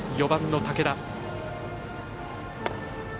４番の武田。